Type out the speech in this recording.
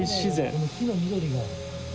この木の緑が。